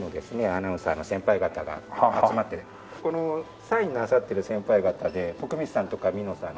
アナウンサーの先輩方が集まってこのサインなさっている先輩方で徳光さんとかみのさん